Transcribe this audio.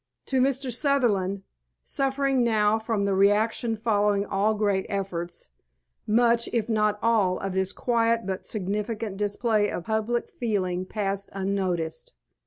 To Mr. Sutherland, suffering now from the reaction following all great efforts, much, if not all, of this quiet but significant display of public feeling passed unnoticed.